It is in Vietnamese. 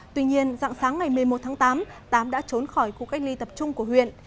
tuy nhiên dạng sáng ngày một mươi một tháng tám tám đã trốn khỏi khu cách ly tập trung của huyện